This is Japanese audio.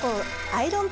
アイロン